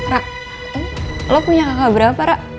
ra lo punya kakak berapa ra